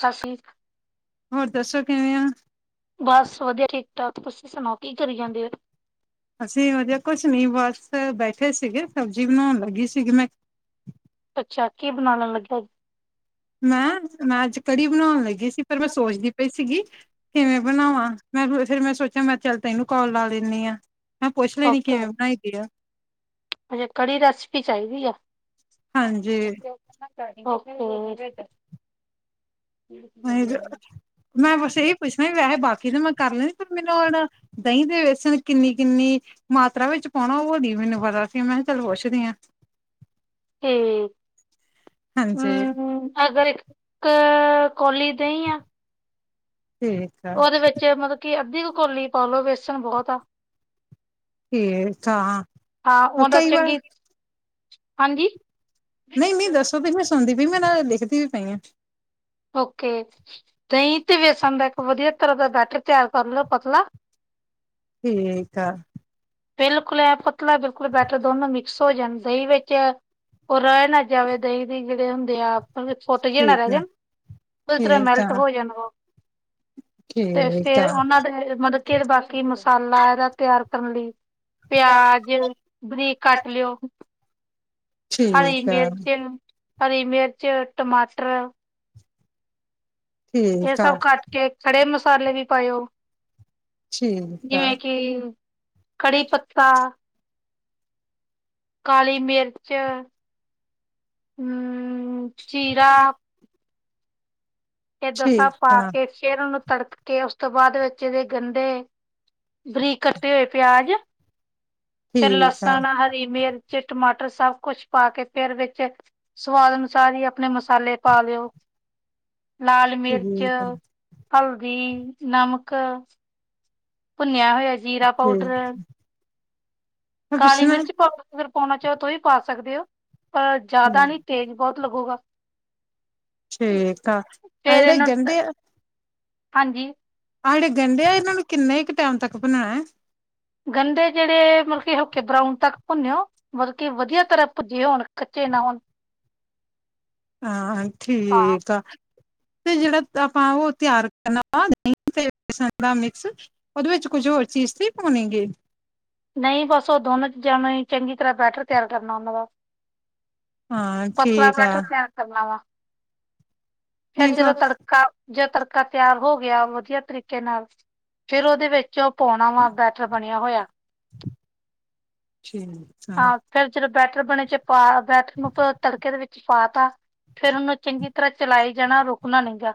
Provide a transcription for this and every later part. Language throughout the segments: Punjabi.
ਸਤਿ ਸ੍ਰੀ। ਹੋਰ ਦੱਸੋ ਕਿਵੇਂ ਓ? ਬਸ ਵਧੀਆ ਠੀਕ -ਠਾਕ, ਤੁਸੀਂ ਸੁਣਾਓ? ਕੀ ਕਰੀ ਜਾਂਦੇ ਹੋ। ਅਸੀਂ ਵਧੀਆ ਕੁਛ ਨੀ ਬਸ ਬੈਠੇ ਸੀਗੇ ਸਬਜ਼ੀ ਬਣਾਉਣ ਲੱਗੀ ਸੀਗੀ ਮੈਂ ਅੱਛਾ, ਕੀ ਬਣਾਣ ਲੱਗੇ? ਮੈਂ, ਮੈਂ ਅੱਜ ਕੜੀ ਬਣਾਉਣ ਲੱਗੀ ਸੀ ਪਰ ਮੈਂ ਸੋਚਦੀ ਪਈ ਸੀਗੀ, ਕਿਵੇਂ ਬਣਾਵਾਂ? ਮੈਂ ਫਿਰ ਮੈਂ ਸੋਚਿਆ ਮੈਂ ਚੱਲ ਤੈਨੂੰ ਕਾਲ ਲਾ ਲੈਣੀ ਆ। ਮੈਂ ਪੁੱਛ ਲੈਣੀ ਕਿਵੇਂ ਬਣਾਈ ਦੀ ਆ? ਅੱਛਾ ਕੜੀ ਰੈਸਿਪੀ ਚਾਹੀਦੀ ਆ। ਹਾਂਜੀ। ਓਕੇ। [unintelligible] [unintelligible] ਮੈਂ ਬਸ ਇਹੀ ਪੁੱਛਣਾ ਵੀ ਵੈਸੇ ਨੇ ਮੈਂ ਕਰ ਲੈਦੀ ਮੈਨੂੰ ਹੁਣ ਦਹੀਂ ਦੇ ਵੇਸਣ ਕਿੰਨੀ-ਕਿੰਨੀ। ਮਾਤਰਾ ਵਿੱਚ ਪਾਉਣਾ। ਉਹ ਨੀ ਮੈਨੂੰ ਪਤਾ ਸੀ। ਮੈਂ ਕਿਹਾ ਚੱਲ ਪੁੱਛਦੀ ਆ। ਤੇ ਹਾਂਜੀ ਹਮ, ਅਗਰ ਇੱਕ ਕੋਲੀ ਦਹੀ ਆ। ਠੀਕ ਆ ਉਹਦੇ ਵਿੱਚ ਮਤਲਬ ਕਿ ਅੱਧੀ ਕ ਕੋਲੀ ਪਾ ਲਓ ਬੇਸਣ ਬਹੁਤ ਆ। ਠੀਕ ਹਾਂ ਆ। ਉਹਦਾ ਕਈ ਵਾਰ ਚੰਗੀ ਹਾਂਜੀ। ਨਹੀਂ- ਨਹੀਂ ਦੱਸੋ ਵੀ? ਮੈਂ ਸੁਣਦੀ ਪਈ, ਮੈਂ ਨਾਲ ਲਿਖਦੀ ਵੀ ਪਈ ਆ। ਓਕੇ। ਦਹੀਂ ਤੇ ਬੇਸਣ ਦਾ ਇੱਕ ਵਧੀਆ ਤਰ੍ਹਾਂ ਦਾ ਬੈਟਰ ਤਿਆਰ ਕਰ ਲਓ ਪਤਲਾ। ਠੀਕ ਆ। ਬਿਲਕੁਲ ਇਹ ਪਤਲਾ ਬਿਲਕੁਲ ਬੈਟਰ ਦੋਨੋ ਮਿਕਸ ਹੋ ਜਾਣ ਦਹੀਂ ਵਿੱਚ। ਉਹ ਰਹਿ ਨਾ ਜਾਵੇ ਦਹੀਂ ਦੇ ਜਿਹੜੇ ਹੁੰਦੇ ਆ। ਫੋਟ ਜੇ ਨਾ ਠੀਕ ਰਹਿ ਆ ਜਾਣ। ਉਹ ਤਰ੍ਹਾਂ ਠੀਕ ਆ ਮੈਲਟ ਹੋ ਜਾਣਾ ਵਾ। ਤੇ ਠੀਕ ਫਿਰ ਆ ਉਹਨਾਂ ਦੇ ਮਤਲਬ ਕਿ ਬਾਕੀ ਮਸਾਲਾ ਇਹਦਾ ਤਿਆਰ ਕਰਨ ਲਈ। ਪਿਆਜ, ਬਰੀਕ ਕੱਟ ਲਿਉ। ਹਰੀ ਠੀਕ ਆ ਮਿਰਚ, ਹਰੀ ਮਿਰਚ, ਟਮਾਟਰ। ਇਹ ਠੀਕ ਆ ਸਭ ਕੱਟ ਕੇ, ਖੜੇ ਮਸਾਲੇ ਵੀ ਪਾਇਓ। ਠੀਕ ਆ ਜਿਵੇਂ ਕਿ, ਕੜੀ ਪੱਤਾ। ਕਾਲੀ ਮਿਰਚ, ਅਮ ਜੀਰਾ। ਇਹ ਦਸਾ ਠੀਕ ਆ ਠੀਕ ਪਾ ਆ ਕੇ ਫਿਰ ਉਹਨੂੰ ਤੜਕ ਕੇ ਉਸ ਤੋਂ ਬਾਅਦ ਵਿੱਚ ਇਹਦੇ ਗੰਡੇ ਬਰੀਕ ਕੱਟੇ ਹੋਏ ਪਿਆਜ, ਫਿਰ ਠੀਕ ਲਸਣ‌ ਹ ਮਿਰਚ, ਟਮਾਟਰ ਸਭ ਕੁੱਛ ਪਾ ਕੇ। ਫਿਰ ਵਿੱਚ ਸਵਾਦ ਅਨੁਸਾਰ ਹੀ ਆਪਣੇ ਮਸਾਲੇ ਪਾ ਲਿਉ। ਲਾਲ ਮਿਰਚ, ਹਲਦੀ, ਨਮਕ। ਭੁੰਨਿਆ ਹੋਇਆ ਜੀਰਾ ਠੀਕ ਪਾਊਡਰ। ਮੈਂ ਕਾਲੀ ਪੁੱਛਣਾ ਮਿਰਚ ਪਾ ਅਗਰ ਪਾਉਣਾ ਚਾਹੋ ਤਾਂਸੀ ਵੀ ਪਾ ਸਕਦੇ ਹੋ। ਪਰ ਜ਼ਿਆਦਾ ਨਹੀਂ। ਤੇਜ ਬਹੁਤ ਲੱਗੂਗਾ। ਠੀਕ ਆ। ਅਹ ਫਿਰ ਜਿਹੜੇ ਇਹਨੂੰ ਗੰਡੇ ਆ। ਹਾਂਜੀ। ਆਹ ਜਿਹੜੇ ਗੰਡੇ ਆ ਇਹਨਾਂ ਨੂੰ ਕਿੰਨੇ ਕ ਟਾਈਮ ਤੱਕ ਭੁੰਨਣਾ? ਗੰਡੇ ਜਿਹੜੇ ਮਤਲਬ ਕਿ ਹਲਕੇ ਬਰਾਉਨ ਤੱਕ ਭੁੰਨਿਓ। ਮਤਲਬ ਕਿ ਵਧੀਆ ਤਰ੍ਹਾਂ ਭੱਜੇ ਹੋਣ ਕੱਚੇ ਨਾ ਹੋਣ। ਹਾਂ ਹਾਂ ਠੀਕ ਆ। ਤੇ ਜਿਹੜਾ ਆਪਾਂ ਉਹ ਤਿਆਰ ਕਰਨਾ ਵਾ ਦਹੀਂ ਤੇ ਬੇਸਣ ਦਾ ਮਿਕਸ। ਉਹਦੇ ਵਿੱਚ ਕੁਝ ਹੋਰ ਚੀਜ਼ ਤੇ ਪੋਣੋਗੀ। ਨਹੀਂ, ਬੱਸ ਉਹ ਦੋਨੋ ਚੀਜ਼ਾਂ ਨੂੰ ਚੰਗੀ ਤਰ੍ਹਾਂ ਬੈਟਰ ਤਿਆਰ ਕਰਨਾ ਉਹਨਾਂ ਦਾ‌। ਹਾਂ ਪਤਲਾ ਠੀਕ ਆ ਪੈਟਰ ਤਿਆਰ ਕਰਨਾ ਵਾ। ਫਿਰ ਠੀਕ ਜਦੋਂ ਆ ਤੜਕਾ ਜ ਤੜਕਾ ਤਿਆਰ ਹੋ ਗਿਆ ਵਧੀਆ ਤਰੀਕੇ ਨਾਲ। ਫਿਰ ਉਹਦੇ ਵਿੱਚ ਉਹ ਪਾਉਣਾ ਵਾ ਬੈਟਰ ਬਣਿਆ ਹੋਇਆ। ਠੀਕ। ਆ ਹਾਂ, ਫਿਰ ਜਦੋਂ ਬੈਟਰ ਬਣੇ 'ਚ' ਪਾ ਬੈਟਰ ਨੂੰ ਤੜਕੇ ਦੇ ਵਿੱਚ ਪਾ ਤਾਂ। ਫਿਰ ਉਹਨੂੰ ਚੰਗੀ ਤਰ੍ਹਾਂ ਚਲਾਏ ਜਾਣਾ ਰੁਕਣਾ ਨਹੀਂ ਗਾ।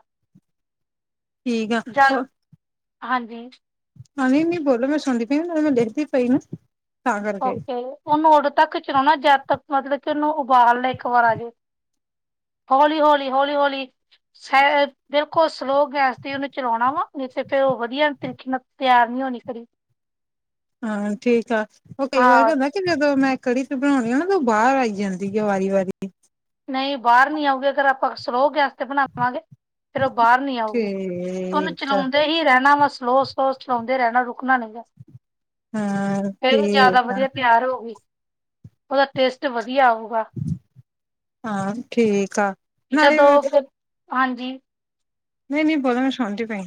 ਠੀਕ ਆ ਜਦ 'ਚ' ਹਾਂਜੀ। ਹਾਂ ਨਹੀਂ ਬੋਲੋ ਮੈਂ ਸੁਣਦੀ ਪਈ ਆ ਉਹਨੂੰ ਮੈਂ ਲਿਖਦੀ ਪਈ ਨਾ ਤਾਂ ਕਰਕੇ ਓਕੇ, ਉਹਨੂੰ ਉਦੋਂ ਤੱਕ ਚਲਾਉਣਾ ਜਦ ਤੱਕ ਮਤਲਬ ਕਿ ਉਹਨੂੰ ਉਬਾਲ ਨਾ ਇੱਕ ਵਾਰ ਆਜੇ ਹੌਲੀ-ਹੌਲੀ, ਹੌਲੀ-ਹੌਲੀ ਸ ਬਿਲਕੁਲ ਸਲੋਅ ਗੈਸ ਤੇ ਉਹਨੂੰ ਚਲਾਉਣਾ ਵਾ ਨਹੀਂ ਤੇ ਫਿਰ ਉਹ ਵਧੀਆ ਤਰੀਕੇ ਨਾਲ ਤਿਆਰ ਨਹੀਂ ਹੋਣੀ ਕੜੀ ਹਾਂ ਠੀਕ ਆ ਉਹ ਕਈ ਵਾਰ ਹਾਂ [unintelligible] ਜਦੋਂ ਮੈਂ ਕੜੀ ਤੇ ਬਣਾਉਣੀ ਆ ਨਾ ਤਾਂ ਉਹ ਬਾਹਰ ਆਈ ਜਾਂਦੀ ਆ ਵਾਰੀ-ਵਾਰੀ ਨਹੀਂ ਬਾਹਰ ਨੀ ਆਉਗੀ ਅਗਰ ਆਪਾਂ ਸਲੋਅ ਗੈਸ ਤੇ ਬਣਾ ਵਾਂਗੇ ਫਿਰ ਉਹ ਬਾਹਰ ਨੀ ਆਊਗੀ, ਉਹਨੂੰ ਠੀਕ ਆ ਚਲਾਉਂਦੇ ਹੀ ਰਹਿਣਾ ਵਾ ਸਲੋ ਸ ਸੁਾਉਂਦੇ ਰਹਿਣਾ ਰੁਕਣਾ ਨੀ ਗਾ, ਹਾਂ ਫਿਰ ਉਹ ਜ਼ਿਆਦਾ ਠੀਕ ਆ ਵਧੀਆ ਤਿਆਰ ਹੋਉਗੀ। ਉਹਦਾ ਟੇਸਟ ਵਧੀਆ ਆਊਗਾ। ਹਾਂ, ਠੀਕ ਆ। ਨਾਲੇ ਜਦੋ, ਨਹੀਂ ਫਿਰ ਹਾਂਜੀ। ਨਹੀਂ-ਨਹੀਂ, ਬੋਲੋ ਮੈਂ ਸਾਉਣੀ ਪਈ।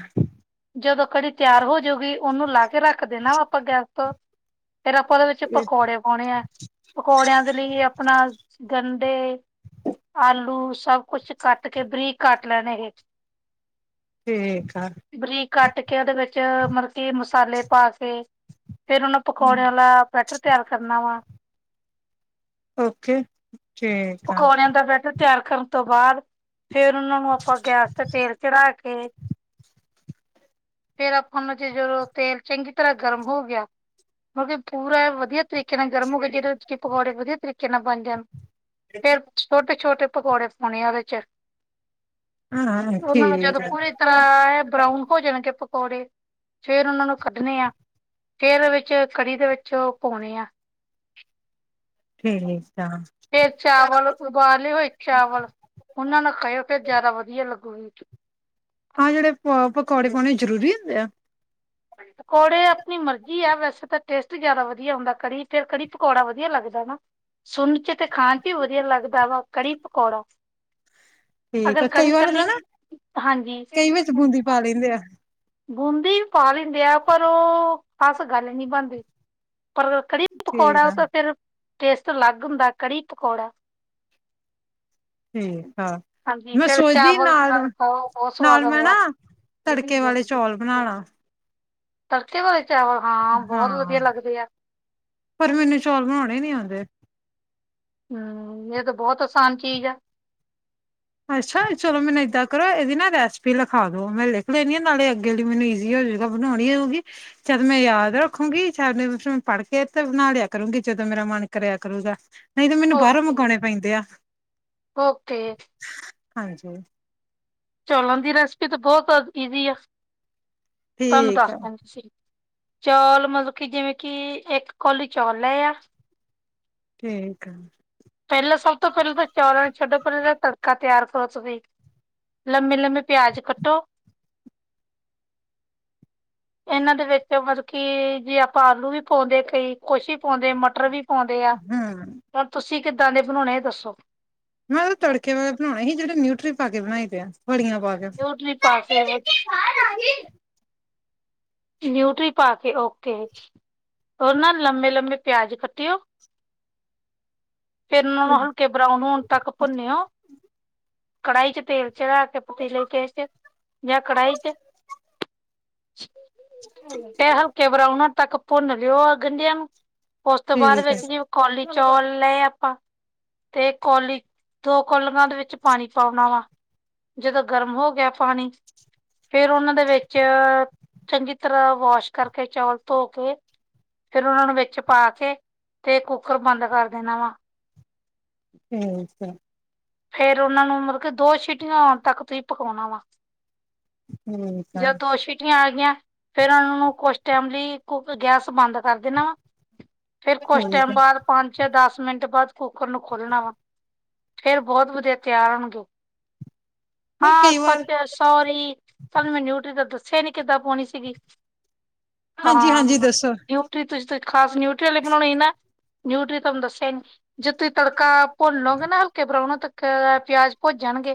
ਜਦੋਂ ਕੜੀ ਤਿਆਰ ਹੋਜੂਗੀ, ਉਹਨੂੰ ਲਾ ਕੇ ਰੱਖ ਦੇਣਾ ਆਪਾਂ ਗੈਸ ਤੋਂ ਫੇਰ ਆਪਾਂ ਉਹਦੇ ਵਿੱਚ ਆ ਪਕੌੜੇ ਪਾਉਣੇ ਆ, ਪਕੌੜਿਆਂ ਦੇ ਲਈ ਆਪਣਾ ਗੰਦੇ ਆਲੂ ਸਭ ਕੁਛ ਕੇ ਬਰੀਕ ਲੈਣੇ ਇਹੇ ਠੀਕ ਆ। ਬਰੀਕ ਕੱਟ ਕੇ ਉਹਦੇ ਵਿੱਚ ਮਤਲਬ ਕੀ ਮਸਾਲੇ ਪਾ ਕੇ ਫੇਰ ਪਕੌੜਿਆਂ ਆਲਾ ਬੈਟਰ ਤਿਆਰ ਕਰਨਾ ਵਾ। ਓਕੇ। ਠੀਕ ਆ ਪਕੌੜਿਆਂ ਦਾ ਬੈਟਰ ਤਿਆਰ ਕਰਨ ਤੋਂ ਬਾਅਦ ਫੇਰ ਉਹਨਾਂ ਨੂੰ ਆਪਾਂ ਗੈਸ ਤੇ ਤੇਲ ਚਲਾ ਕੇ ਫਿਰ ਆਪਾਂ ਉਹਨਾਂ ਚ ਜਦੋਂ ਤੇਲ ਚੰਗੀ ਤਰ੍ਹਾਂ ਗਰਮ ਹੋ ਗਿਆ, ਮਤਲਬ ਪੂਰਾ ਵਧੀਆ ਤਰੀਕੇ ਨਾਲ ਗਰਮ ਹੋ ਗਿਆ, ਜਿਹਦੇ ਵਿੱਚ ਕਿ ਪਕੌੜੇ ਵਧੀਆ ਤਰੀਕੇ ਨਾਲ ਬਣ ਜਾਣ ਫਿਰ ਛੋਟੇ - ਛੋਟੇ ਪਕੌੜੇ ਪਾਉਣੇ ਆ ਉਹਦੇ 'ਚ। ਹਾਂ [inaudible] ਉਹਨਾਂ ਨੂੰ ਠੀਕ ਜਦੋਂ ਆ ਪੂਰੀ ਤ- ਰਾਂ ਬਰਾਊਨ ਹੋ ਜਾਣਗੇ ਪਕੌੜੇ, ਫੇਰ ਉਹਨਾਂ ਨੂੰ ਕੱਢਣੇ ਆ। ਫੇਰ ਉਹ ਵਿੱਚ ਕੜੀ ਦੇ ਵਿੱਚ ਭਉਣੇ ਆ। ਠੀਕ ਆ। ਫੇਰ ਚਾਵਲ ਉਬਾਲੇ ਹੋਏ ਚਾਵਲ ਉਹਨਾਂ ਨੂੰ ਕਹੇ ਓ ਫੇਰ ਜ਼ਿਆਦਾ ਵਧੀਆ ਲੱਗੂਗੀ। ਹਾਂ ਜਿਹੜੇ ਪ ਪਕੌੜੇ ਪਾਉਣੇ ਜਰੂਰੀ ਹੁੰਦੇ ਆ? ਪਕੌੜੇ ਆਪਣੀ ਮਰਜੀ ਆ ਵੈਸੇ ਤਾਂ ਟੇਸਟ ਜ਼ਿਆਦਾ ਵਧੀਆ ਹੁੰਦਾ ਕੜੀ ਤੇ ਕੜੀ ਪਕੌੜਾ ਵਧੀਆ ਲੱਗਦਾ ਨਾ। ਸੁਣ ਚ ਤੇ ਖਾਣ ਚ ਵੀ ਵਧੀਆ ਲੱਗਦਾ ਵਾ ਕੜੀ ਪਕੌੜਾ। ਠੀਕ ਅਗਰ ਆ, ਕਈ ਕੜੀ ਵਾਰ ਹੁੰਦਾ ਕੱਲੀ ਨਾ ਹਾਂਜੀ ਕਈ ਵਿਚ ਬੂੰਦੀ ਪਾ ਲੈਂਦੇ ਆ। ਬੂੰਦੀ ਵੀ ਪਾ ਲੈਂਦੇ ਆ, ਪਰ ਉਹ ਖ਼ਾਸ ਗੱਲ ਨਹੀਂ ਬਣਦੀ। ਪਰ ਕੜੀ ਠੀਕ ਪਕੌੜਾ ਉਹ ਆ ਤਾਂ ਫਿਰ ਟੇਸਟ ਅਲੱਗ ਹੁੰਦਾ ਕੜੀ ਪਕੌੜਾ। [inaudible] ਠੀਕ ਆ ਹਾਂਜੀ ਮੈਂ ਫੇਰ ਸੋਚਦੀ ਚਾਵਲ ਨਾਲ, ਖਾਓ ਬਹੁਤ ਸਵਾਦ ਨਾਲ ਮੈਂ ਨਾ ਆਊਗਾ ਤੜਕੇ ਵਾਲੇ ਚੌਲ ਬਣਾਲਾ। ਤੜਕੇ ਵਾਲੇ ਚਾਵਲ ਹਾਂ ਬਹੁਤ ਹਾਂ ਵਧੀਆ ਲੱਗਦੇ ਆ। ਹਣੇ ਨੀ ਆਉਂਦੇ। ਹਮ ਇਹ ਤੋਂ ਬਹੁਤ ਆਸਾਨ ਚੀਜ਼ ਐ। ਅੱਛਾ, ਚਲੋ ਮੈਨੂੰ ਇੱਦਾਂ ਕਰੋ ਇਹਦੀ ਨਾ ਰੈਸਪੀ ਲਿਖਾ ਦੋ ਮੈਂ ਲਿਖ ਲੈਣੀ ਆ ਨਾਲੇ ਅੱਗੇ ਲਈ ਮੈਨੂੰ ਈਜ਼ੀ ਹੋਜੂਗਾ ਬਣਾਉਣੀ ਹੋਊਗੀ। ਜਦ ਮੈਂ ਯਾਦ ਰੱਖੂੰਗੀ ਚ ਮੈਂ ਪੜ੍ਹ ਕੇ ਤੇ ਬਣਾ ਲਿਆ ਕਰੂਗੀ ਜਦੋਂ ਮੇਰਾ ਮਨ ਕਰਿਆ ਕਰੂਗਾ। ਨਹੀਂ ਤੇ ਮੈਨੂੰ ਬਾਹਰੋਂ ਮੰਗਾਉਣੇ ਪੈਂਦੇ ਆ। ਹੋਕੇ। ਹਾਂਜੀ। ਚੋਲਾਂ ਦੀ ਰੈਸਪੀ ਤਾਂ ਬਹੁਤ ਈਜ਼ੀ ਆ। ਤੁਹਾਨੂੰ ਠੀਕ ਦੱਸ ਆ ਦਾ ਸਿਰੀ ਚੌਲ ਮਤਲਬ ਕਿ ਜਿਵੇਂ ਕਿ ਇੱਕ ਕੋਲੀ ਚੌਲ ਲਏ ਆ। ਠੀਕ ਆ। ਪਹਿਲਾਂ ਸਭ ਤੋਂ ਪਹਿਲਾਂ ਤਾਂ ਚੌਲਾਂ ਨੂੰ ਛੱਡੋ ਪਹਿਲਾਂ ਤੜਕਾ ਤਿਆਰ ਕਰੋ‌ ਤੁਸੀਂ ਲੰਮੇ-ਲੰਮੇ ਪਿਆਜ ਕੱਟੋ। [inaudible] ਇਹਨਾਂ ਦੇ ਵਿੱਚ ਮਤਲਬ ਕੀ ਜੇ ਆਪਾਂ ਆਲੂ ਵੀ ਪਾਉਂਦੇ ਕਈ ਕੁਛ ਵੀ ਪਾਉਂਦੇ ਮਟਰ ਵੀ ਆਉਂਦੇ ਆ। ਹਮ ਪਰ ਤੁਸੀਂ ਕਿੱਦਾਂ ਦੇ ਬਣਾਉਣੇ ਏ ਦੱਸੋ। ਮੈਂ ਉਹ ਤੜਕੇ ਵਾਲੇ ਬਣਾਉਣੇ ਸੀ। ਜਿਹੜੇ ਨਿਊਟਰੀ ਪਾ ਕੇ ਬਣਾਏ ਪਏ ਆ‌। ਵੜੀਆਂ ਪਾ ਕੇ। [unintelligible] ਨਿਊਟਰੀ ਪਾ ਕੇ ਓਕੇ। ਉਹ ਨਾ ਲੰਮੇ-ਲੰਮੇ ਪਿਆਜ ਕੱਟਿਓ। ਫਿਰ ਉਹਨਾਂ ਨੂੰ ਹਲਕੇ ਬਰਾਊਨ ਹੋਣ ਤੱਕ ਭੁੰਨਿਓ, ਕੜਾਹੀ 'ਚ ਤੇਲ ਚੜਾ ਕੇ ਪਤੀਲੇ ਕੇਸ਼ ਚ ਜਾਂ ਕੜਾਹੀ 'ਚ ਤੇ ਹਲਕੇ ਬਰਾਊਨ ਹੋਣ ਤੱਕ ਭੁੰਨ ਲਿਓ ਗੰਢਿਆਂ ਨੂੰ, ਉਸ ਤੋਂ ਠੀਕ ਹੈ ਬਾਅਦ ਠੀਕ ਹੈ ਵਿੱਚ ਕੌਲੀ ਚੌਲ ਲਏ ਆਪਾਂ ਤੇ ਕੋਲੀ, ਦੋ ਕੌਲੀਆਂ ਦੇ ਵਿੱਚ ਪਾਣੀ ਪਾਉਣ ਆਲਾ ਜਦੋਂ ਗਰਮ ਹੋ ਗਿਆ ਪਾਣੀ, ਫੇਰ ਉਹਨਾਂ ਦੇ ਵਿੱਚ ਚੰਗੀ ਤਰ੍ਹਾਂ ਵਾਸ਼ ਕਰਕੇ ਚੌਲ ਧੋ ਕੇ ਫਿਰ ਉਹਨਾਂ ਨੂੰ ਵਿੱਚ ਪਾ ਕੇ ਤੇ ਕੁੱਕਰ ਬੰਦ ਕਰ ਦੇਣਾ ਵਾ। ਠੀਕ ਐ। ਫੇਰ ਉਹਨਾਂ ਨੂੰ ਮਤਲਬ ਕਿ ਦੋ ਸੀਟੀਆਂ ਆਉਣ ਤੱਕ ਤੁਸੀਂ ਪਕਾਉਣਾ ਵਾ। ਜਦ ਦੋ ਸੀਟੀਆਂ ਆ ਗਈਆਂ। ਫਿਰ ਉਹਨਾਂ ਨੂੰ ਕੁਛ ਟਾਈਮ ਲਈ ਗੈਸ ਬੰਦ ਕਰ ਦੇਣਾ ਵਾ। ਫਿਰ ਕੁਛ ਠੀਕ ਟਾਈਮ ਹੈ ਬਾਅਦ ਪੰਜ ਜਾਂ ਦਸ ਮਿੰਟ ਬਾਅਦ ਕੁੱਕਰ ਨੂੰ ਖੋਲਣਾ ਵਾ। ਫੇਰ ਬਹੁਤ ਵਧੀਆ ਤਿਆਰ ਹੋਣਗੇ। ਨਹੀਂ ਹਾਂ ਕਈ ਵਾਰ ਸੱਚ ਸੋਰੀ ਤਹਾਨੂੰ ਮੈਂ ਨਿਊਟਰੀ ਦਾ ਦੱਸਿਆ ਨੀ ਕਿੱਦਾਂ ਪਾਉਣੀ ਸੀਗੀ। ਹਾਂਜੀ ਹਾਂ ਹਾਂਜੀ ਦੱਸੋ ਨਿਊ ਤੁਸੀਂ-ਤੁਸੀਂ ਖਾਸ ਨਿਊਟਰੀ ਆਲੇ ਬਣਾਉਣੇ ਸੀ ਨਾ। ਨਿਊਟਰੀ ਤੁਹਾਨੂੰ ਦੱਸਿਆ ਨੀ ਜੇ ਤੁਸੀਂ ਤੜਕਾ ਭੁਨੋਗੇ ਨਾ ਹਲਕੇ ਬਰਾਊਨ ਹੋਣ ਤੱਕ ਪਿਆਜ ਭੁਜ ਜਾਣਗੇ।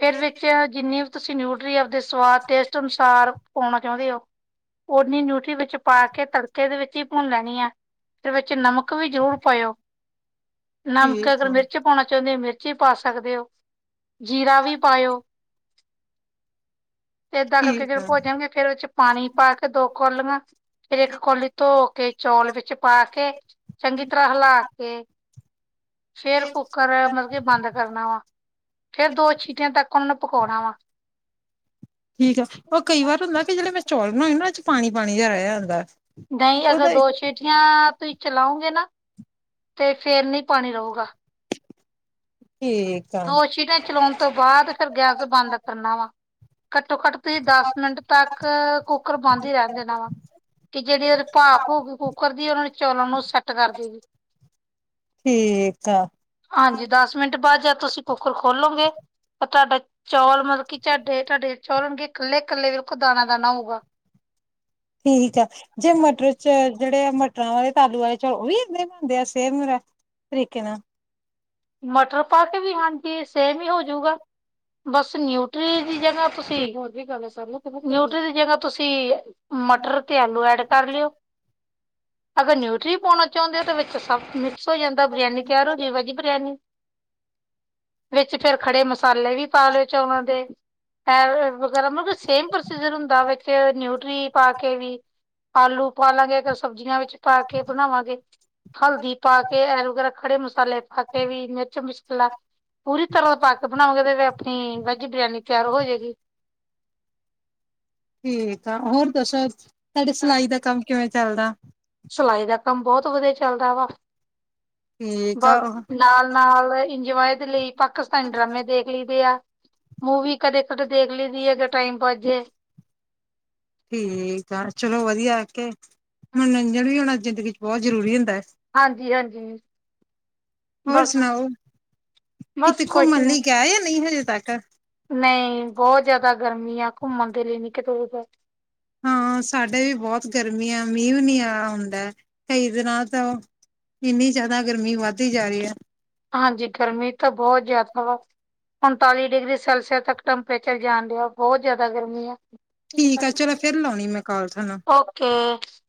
ਫਿਰ ਵੇਖਿਆ ਜਿੰਨੀ ਵੀ ਤੁਸੀਂ ਨਿਊਟਰੀ ਆ। ਦੇ ਸਵਾਦ ਟੇਸਟ ਅਨੁਸਾਰ ਪਾਉਣਾ ਚਾਹੁੰਦੇ ਹੋ, ਓਨੀ ਨਿਊਟਰੀ ਵਿੱਚ ਚੁਪਾ ਕੇ ਤੜਕੇ ਦੇ ਵਿੱਚ ਹੀ ਭੁੰਨ ਲੈਣੀ ਆ। ਤੇ ਵਿੱਚ ਨਮਕ ਵੀ ਜ਼ਰੂਰ ਪਾਇਓ। ਨਮਕ ਠੀਕ ਅਗਰ ਆ ਮਿਰਚ ਪਾਣਾ ਚਾਹੁੰਦੇ ਹੋ ਮਿਰਚ ਵੀ ਪਾ ਸਕਦੇ ਹੋ, ਜੀਰਾ ਵੀ ਪਾਇਓ। ਤੇ ਏਦਾਂ ਕਰਕੇ ਠੀਕ ਜਦੋਂ ਆ ਭੁਜ ਜਾਣਗੇ। ਫਿਰ ਉਹ ਚ ਪਾਣੀ ਪਾ ਕੇ ਦੋ ਕੋਲੀਆ ਫਿਰ ਇੱਕ ਕੋਲੀ ਧੋ ਕੇ ਚੌਲ ਵਿੱਚ ਪਾ ਕੇ, ਚੰਗੀ ਤਰ੍ਹਾਂ ਹਿਲਾ ਕੇ ਫੇਰ ਕੁੱਕਰ ਮਤਲਬ ਕੇ ਬੰਦ ਕਰਨਾ ਵਾ, ਫੇਰ ਦੋ ਛੀਟਿਆਂ ਤੱਕ ਉਹਨਾਂ ਨੂੰ ਪਕਾਉਣਾ ਵਾ। ਠੀਕ ਆ ਕਈ ਵਾਰ ਹੁੰਦਾ ਜਿਹੜੇ ਮੈਂ ਚੌਲ ਬਣਾਏ ਨਾ। ਉਹ ਚ ਪਾਣੀ-ਪਾਣੀ ਜਿਹਾ ਰਹਿ ਜਾਂਦਾ। ਨਹੀਂ ਅਗਰ ਉਹਦਾ ਦੋ ਸੀਟੀਆਂ ਤੁਸੀਂ ਚਲਾਓਗੇ ਨਾ। ਤੇ ਫੇਰ ਨਹੀਂ ਪਾਣੀ ਰਹੋਗਾ। ਠੀਕ ਏ। ਦੋ ਸੀਟੀਆਂ ਚਲਾਉਣ ਤੋਂ ਬਾਅਦ ਫਿਰ ਗੈਸ ਬੰਦ ਕਰਨਾ ਵਾ। ਘੱਟੋ-ਘੱਟ ਤੁਸੀਂ ਦਸ ਮਿੰਟ ਤੱਕ ਕੁੱਕਰ ਬੰਦ ਹੀ ਰਹਿਣ ਦੇਣਾ ਵਾ। ਕਿ ਜਿਹੜੀ ਉਹਦੇ ਭਾਫ਼ ਹੋਓਗੀ ਕੁੱਕਰ ਦੀ ਉਹਨਾ ਨੂੰ ਚੌਲਾ ਨੂੰ ਸੈੱਟ ਕਰ ਦੇਗੀ। ਠੀਕ ਆ। ਹਾਂਜੀ ਦਸ ਮਿੰਟ ਬਾਅਦ ਜਦ ਤੁਸੀਂ ਕੁੱਕਰ ਖੋਲੋਗੇ। ਪਰ ਤੁਹਾਡਾ ਚੌਲ ਮਤਲਬ ਕਿ ਚੁਹਾਡੇ- ਤੁਹਾਡੇ ਚੌਲਗੇ ਇਕੱਲੇ- ਇਕੱਲੇ ਵੀ। ਠੀਕ ਆ ਜੇ ਮਟਰ 'ਚ ਜਿਹੜੇ ਆ ਮਟਰਾਂ ਵਾਲੇ ਤਾਲੂ ਵਾਲੇ ਚੋਲ ਉਹਵੀ ਏਦਾਂ ਹੀ ਬਣਦੇ ਆਹ ਸੇਮ ਹੈ ਤਰੀਕੇ ਨਾਲ। ਮਟਰ ਪਾ ਕੇ ਵੀ ਹਾਂਜੀ ਸੇਮ ਹੀ ਹੋਜੂਗਾ। ਬਸ ਨਿਊਟਰੀ ਦੀ ਜਗ੍ਹਾ ਤੁਸੀਂ [unintelligible] ਨਿਊਟਰੀ ਦੀ ਜਗ੍ਹਾ ਤੁਸੀਂ ਮਟਰ ਤੇ ਆਲੂ ਐਡ ਕਰ ਲਿਓ, ਅਗਰ ਨਿਊਟਰੀ ਪਾਉਣਾ ਚਾਹੁੰਦੇ ਓ ਵਿੱਚ ਸਭ ਮਿਕਸ ਹੋ ਜਾਂਦਾ ਬਰਿਆਨੀ ਤਿਆਰ ਹੋ ਜਾਵੇ ਜ [inaudible] ਵਿੱਚ ਫਿਰ ਖੜ੍ਹੇ ਮਸਾਲੇ ਵੀ ਪਾ ਲਿਓ ਚੋਲਾ ਦੇ। ਵਗੈਰਾ ਮਤਲਬ ਸੇਮ ਪ੍ਰੋਸੀਜਰ ਹੁੰਦਾ ਵਿੱਚ ਨਿਊਟਰੀ ਪਾ ਕੇ ਵੀ। ਆਲੂ ਪਾਲਾ ਗੇ ਕੁੱਛ ਸਬਜ਼ੀਆਂ ਵਿੱਚ ਪਾ ਕੇ ਬਣਾਵਾਂਗੇ, ਹਲਦੀ ਪਾ ਕੇ ਐ ਵਗੈਰਾ ਖੜੇ ਮਸਾਲੇ ਪਾ ਕਿ ਵੀ ਮਿਰਚ ਮਸਾਲਾ ਪੂਰੀ ਤਰ੍ਹਾਂ ਦਾ ਪਾ ਬਣਾਓਗੇ ਤੇ ਆਪਣੀ ਵੈਜੀ ਬਰਿਆਨੀ ਤਿਆਰ ਹੋ ਜਾਏਗੀ। ਠੀਕ ਆ, ਹੋਰ ਦੱਸੋ, ਤੁਹਾਡੇ ਸਿਲਾਈ ਦਾ ਕੰਮ ਕਿਵੇਂ ਚੱਲਦਾ। ਸਿਲਾਈ ਦਾ ਕੰਮ ਬਹੁਤ ਵਧੀਆ ਚੱਲਦਾ ਵਾ। ਠੀਕ ਆ ਬੱਸ ਨਾਲ-ਨਾਲ ਇੰਜੋਏ ਦੇ ਲਈ ਪਾਕਿਸਤਾਨੀ ਡਰਾਮੇ ਦੇਖ ਲਈਦੇ ਆ। ਮੂਵੀ ਕਦੇ-ਕਦੇ ਦੇਖ ਲਈਦੀ [unintelligible] ਟਾਈਮ [unintelligible] ਜੇ ਠੀਕ ਆ, ਚਲੋ ਵਧੀਆ ਆ ਓਕੇ, ਮਨੋਰੰਜਨ ਵੀ ਹੋਣਾ ਜ਼ਿੰਦਗੀ 'ਚ' ਬਹੁਤ ਜ਼ਰੂਰੀ ਹੁੰਦਾ। ਹਾਂਜੀ-ਹਾਂਜੀ। ਹੋਰ ਸੁਣਾਓ ਬਸ ਕਿਤੇ ਕੁਛ ਘੁੰਮਣ ਨੀ ਲਈ ਗਏ ਜਾਂ ਨਹੀਂ ਹਜੇ ਤੱਕ। ਨਹੀਂ ਬਹੁਤ ਜਿਆਦਾ ਗਰਮੀ ਆ ਘੁੰਮਣ ਦੇ ਲਈ ਨੀ ਕਿਤੇ ਵੀ ਗਏ। ਹਾਂ ਸਾਡੇ ਵੀ ਬਹੁਤ ਗਰਮੀ ਆ ਮੀਂਹ ਨੀ ਆ ਹੁੰਦਾ ਕਈ ਦਿਨਾਂ ਤੋਂ ਇੰਨੀ ਜ਼ਿਆਦਾ ਗਰਮੀ ਵੱਧਦੀ ਜਾ ਰਹੀ ਐ। ਹਾਂਜੀ, ਗਰਮੀ ਤਾਂ ਬਹੁਤ ਜਿਆਦਾ ਵਾ ਉਨਤਾਲੀ ਡਿਗਰੀ ਸੈਲਸੀਅਸ ਤੱਕ ਟੈਂਪਰੇਚਰ ਜਾਣ ਡਿਹਾ ਬਹੁਤ ਜ਼ਿਆਦਾ ਗਰਮੀਂ ਆ। ਠੀਕ ਐ ਚਲੋ ਫਿਰ ਲਾਉਣੀ ਮੈਂ ਕਾਲ ਤੁਹਾਨੂੰ। [unintelligible]